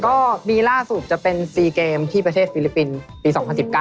ก็ปีล่าสุดจะเป็น๔เกมที่ประเทศฟิลิปปินส์ปี๒๐๑๙